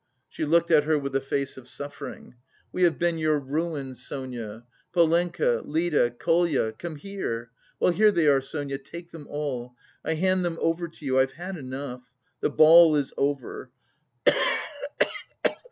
She looked at her with a face of suffering. "We have been your ruin, Sonia. Polenka, Lida, Kolya, come here! Well, here they are, Sonia, take them all! I hand them over to you, I've had enough! The ball is over."